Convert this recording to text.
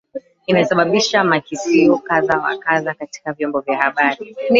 Imesababisha makisio kadha wa kadha katika vyombo vya habari